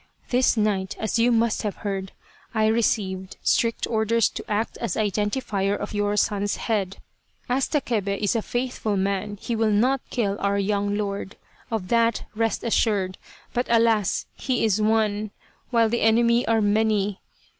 This night, as you must have heard, I received strict orders to act as identifier of your son's head. As Takebe is a faithful man he will not kill our young lord, of that rest assured. But alas ! he is one, while the enemy are many.